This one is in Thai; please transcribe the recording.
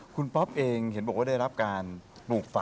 คุณป๊อปเองเห็นบอกว่าได้รับการปลูกฝ่า